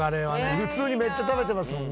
普通にめっちゃ食べてますもんね。